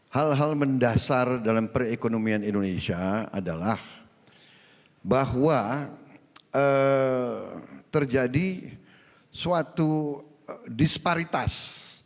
hal hal mendasar dalam perekonomian indonesia adalah bahwa terjadi suatu disparitas